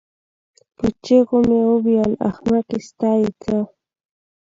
په چيغو مې وویل: احمقې ستا یې څه؟